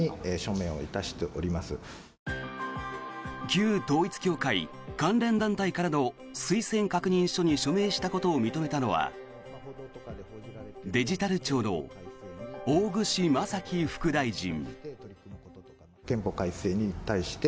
旧統一教会関連団体からの推薦確認書に署名したことを認めたのはデジタル庁の大串正樹副大臣。